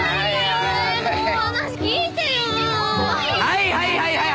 はいはいはいはい！